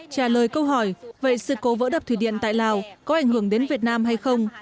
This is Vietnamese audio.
trả lời câu hỏi vậy sự cố vỡ đập thủy điện tại lào có ảnh hưởng đến việt nam hay không